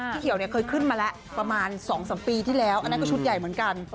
เขียวเนี่ยเคยขึ้นมาแล้วประมาณ๒๓ปีที่แล้วอันนั้นก็ชุดใหญ่เหมือนกัน